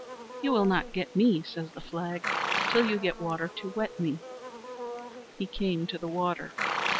"You will not get me," says the flag, "till you get water to wet me." He came to the water.